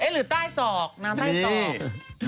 หรือใต้ศอกน้ำใต้ศอก